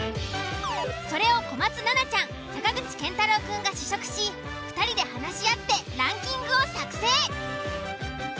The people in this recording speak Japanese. それを小松菜奈ちゃん坂口健太郎くんが試食し２人で話し合ってランキングを作成。